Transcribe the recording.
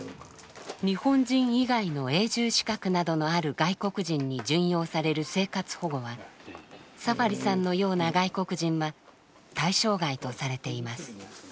日本人以外の永住資格などのある外国人に準用される生活保護はサファリさんのような外国人は対象外とされています。